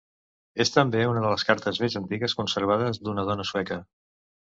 És també una de les cartes més antigues conservades d'una dona sueca.